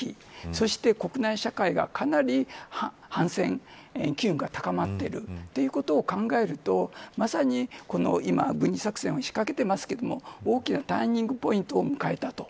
そして、国内社会がかなり反戦気運が高まっているということを考えるとまさに今、軍事作戦を仕掛けていますけれども大きなターニングポイントを迎えたと。